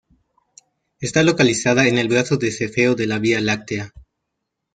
Está localizada en el brazo de Cefeo de la Vía Láctea.